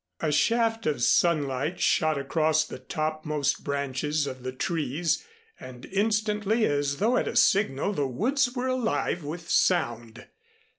A shaft of sunlight shot across the topmost branches of the trees, and instantly, as though at a signal, the woods were alive with sound.